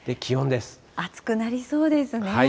暑くなりそうですね。